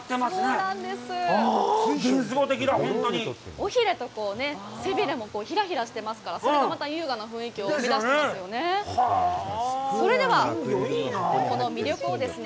尾ひれと背びれもひらひらしてますからそれがまた優雅な雰囲気を生み出しているんですよね。